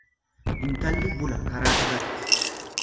Intalli bula karaa irratti.